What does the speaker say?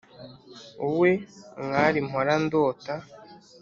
Wowe mwari mpora ndota!